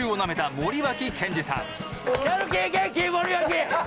森脇！